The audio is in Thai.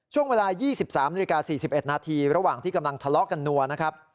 ช่วงเวลา๒๓นาฬิกา๔๑นาทีระหว่างที่กำลังทะเลาะกันนัวนะครับ